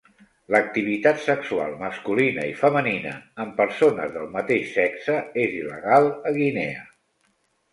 L'activitat sexual masculina i femenina amb persones del mateix sexe és il·legal a Guinea.